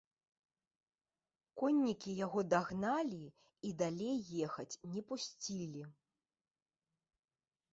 Коннікі яго дагналі і далей ехаць не пусцілі.